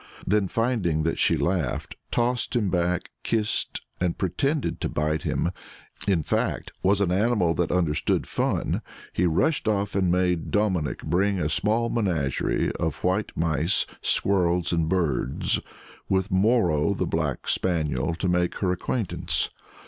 Then finding that she laughed, tossed him back, kissed, and pretended to bite him in fact, was an animal that understood fun he rushed off and made Dominic bring a small menagerie of white mice, squirrels, and birds, with Moro, the black spaniel, to make her acquaintance.